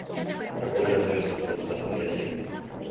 გარკვეული ნაწილი ასევე ცხოვრობს ბრაზილიაში.